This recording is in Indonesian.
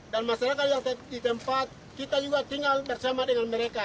dan masyarakat yang di tempat kita juga tinggal bersama dengan mereka